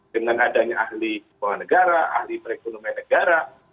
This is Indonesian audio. dengan adanya ahli perekonomian negara